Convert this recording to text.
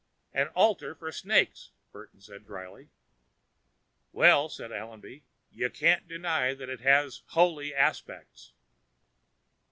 "An altar for snakes," Burton said dryly. "Well," said Allenby, "you can't deny that it has its holy aspects."